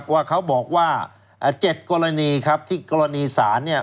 ว่าเขาบอกว่า๗กรณีครับที่กรณีสาร